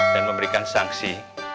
dan memberikan sanksi